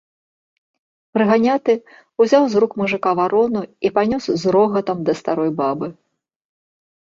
Прыганяты ўзяў з рук мужыка варону і панёс з рогатам да старой бабы.